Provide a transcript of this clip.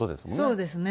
そうですね。